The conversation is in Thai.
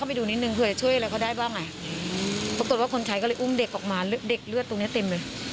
เมื่อได้เจอผัวเขาไหมตอนนั้น